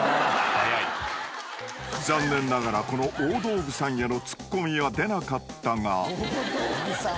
［残念ながらこの大道具さんへのツッコミは出なかったが］